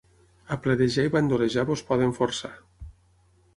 A pledejar i bandolejar vos poden forçar.